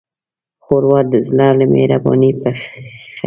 ښوروا د زړه له مهربانۍ پخیږي.